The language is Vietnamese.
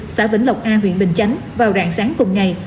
xã vĩnh lộc a huyện bình chánh vào rạng sáng cùng ngày